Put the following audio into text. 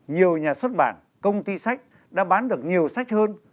nhiều nhà xuất bản công ty sách đã bán được nhiều sách hơn